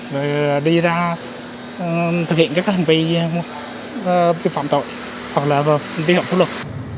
và đi ra thực hiện các hành vi phạm tội hoặc là đi hậu pháp luật